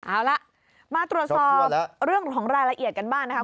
เอาล่ะมาตรวจสอบเรื่องของรายละเอียดกันบ้างนะคะ